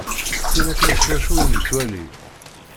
Tin akken s wacu i nettwali.